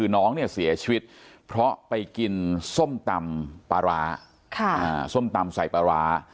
น้องเนี่ยเสียชีวิตเพราะไปกินส้มตำปลาร้าส้มตำใส่ปลาร้า